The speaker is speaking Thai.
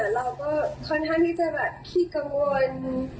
เราก็ค่อนข้างที่จะคิดกังวล